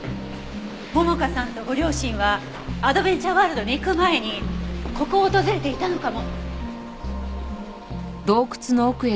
桃香さんとご両親はアドベンチャーワールドに行く前にここを訪れていたのかも。